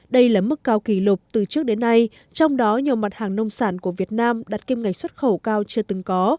đây là mức cao kỷ lục từ trước đến nay trong đó nhiều mặt hàng nông sản của việt nam đặt kim ngạch xuất khẩu cao chưa từng có